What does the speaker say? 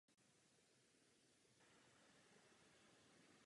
Mezi divácky nejpopulárnější sporty patří fotbal a basketbal.